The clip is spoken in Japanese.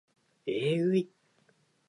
えぐい